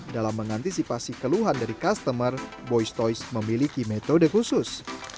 dalam mengantisipasi keluhan dari customer boys ⁇ toys memiliki metode khusus